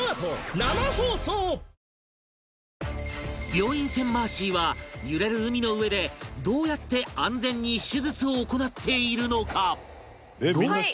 病院船マーシーは揺れる海の上でどうやって安全に手術を行っているのか？